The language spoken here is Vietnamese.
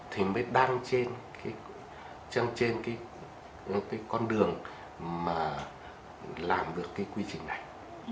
thì mới đăng trên cái con đường mà làm được cái quy trình này